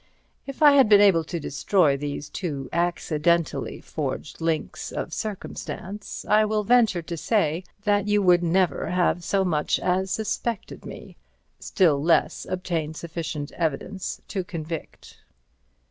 If I had been able to destroy these two accidentally forged links of circumstance, I will venture to say that you would never have so much as suspected me, still less obtained sufficient evidence to convict.